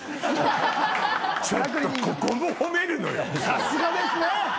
さすがですね。